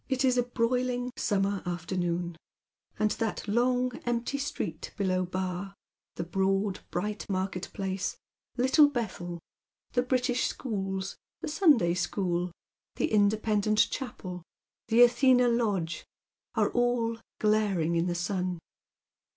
It is a broiling summer afternoon, and that long empty street below Bar, the broad bright market place, Little Bethel, the British schools, the Sunday school, the Independent Chapel, the Athena Lodge, are all glaring in the sun.